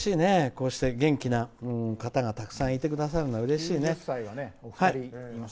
こうして元気な方がたくさん、いてくださるのはうれしいね。